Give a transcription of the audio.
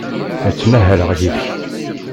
La ttmahaleɣ yid-k.